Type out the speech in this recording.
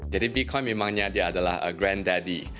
jadi bitcoin memangnya dia adalah granddaddy